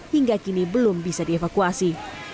hingga kini belum bisa dievakuasi